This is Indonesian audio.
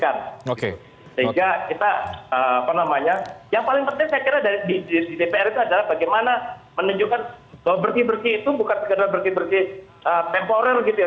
sehingga kita apa namanya yang paling penting saya kira di dpr itu adalah bagaimana menunjukkan bahwa bersih bersih itu bukan sekedar bersih bersih temporer gitu ya